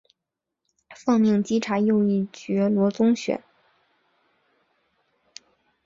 奉命稽查右翼觉罗宗学。